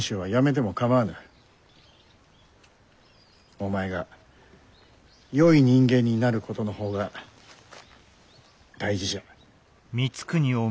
お前がよい人間になることの方が大事じゃ。